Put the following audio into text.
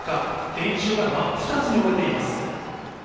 電柱が真っ二つに折れています。